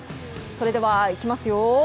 それでは行きますよ